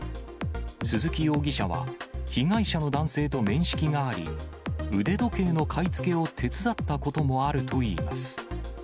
鈴木容疑者は、被害者の男性と面識があり、腕時計の買い付けを手伝ったこともあるといいます。